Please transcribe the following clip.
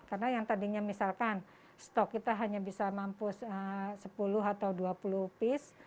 karena yang tadinya misalkan stok kita hanya bisa mampus sepuluh atau dua puluh pis